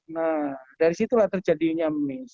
nah dari situlah terjadinya